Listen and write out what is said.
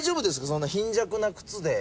そんな貧弱な靴で。